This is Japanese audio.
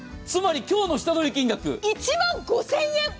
つまり今日の下取り金額１万５０００円